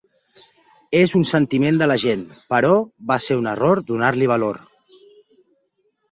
És un sentiment de la gent, però va ser un error donar-li valor.